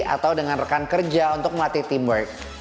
atau dengan rekan kerja untuk melatih teamwork